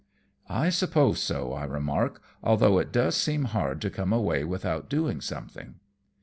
" I suppose so," I remark, " although it does seem hard to come away without doing something."